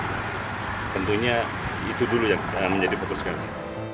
jadi tentunya itu dulu yang menjadi fokus kami